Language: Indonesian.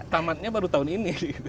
tamatnya baru tahun ini